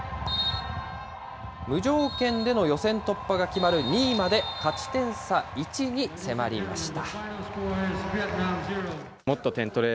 無条件での予選突破が決まる２位まで、勝ち点差１に迫りました。